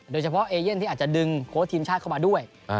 โดยเฉพาะเอเย่นที่อาจจะดึงโค้ชทีมชาติเข้ามาด้วย